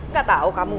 gak tau kamu